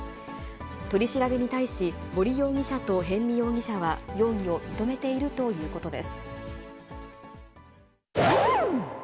取り調べに対し、森容疑者と逸見容疑者は、容疑を認めているということです。